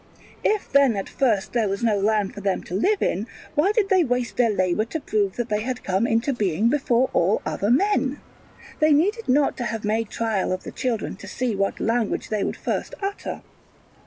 If then at the first there was no land for them to live in, why did they waste their labour to prove that they had come into being before all other men? They needed not to have made trial of the children to see what language they would first utter.